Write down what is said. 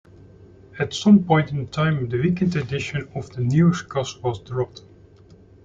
At some point in time, the weekend edition of the newscast was dropped.